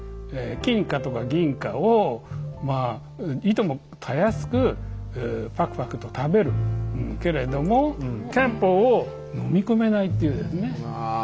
金貨とか銀貨をまあいともたやすくパクパクと食べるけれども憲法を飲み込めないっていうですね。